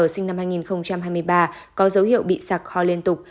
sinh năm hai nghìn hai mươi ba có dấu hiệu bị sặc ho liên tục